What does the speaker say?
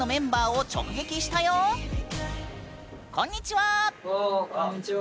わあこんにちは！